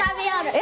え？